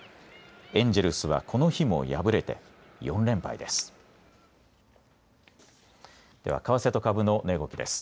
エンジェルスはこの日も敗れて４連敗です。